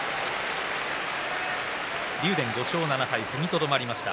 竜電、５勝７敗踏みとどまりました。